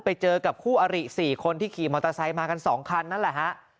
ไปเจอกับคู่อริ๔คนที่ขี่มอเตอร์ไซค์มากัน๒คันนั่นแหละฮะ